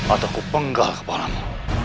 atau ku penggal kepalamu